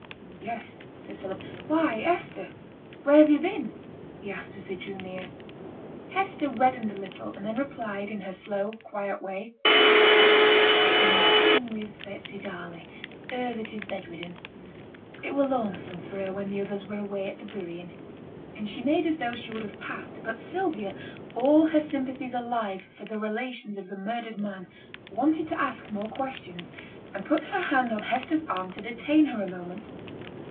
'Yes,' said Philip. 'Why, Hester, where have you been?' he asked, as they drew near. Hester reddened a little, and then replied, in her slow, quiet way 'I've been sitting with Betsy Darley her that is bed ridden. It were lonesome for her when the others were away at the burying.' And she made as though she would have passed; but Sylvia, all her sympathies alive for the relations of the murdered man, wanted to ask more questions, and put her hand on Hester's arm to detain her a moment.